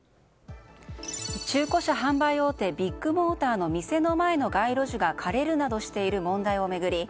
中古車販売大手ビッグモーターの店の前の街路樹が枯れるなどしている問題を巡り